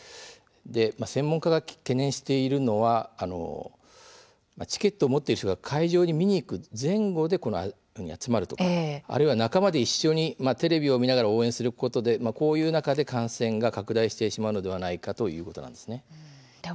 専門家が懸念しているのはチケットを持っている人が会場に見に行く前後で集まるとかあるいは仲間で一緒にテレビを見ながら応援することで感染が拡大してしまうのではないかということです。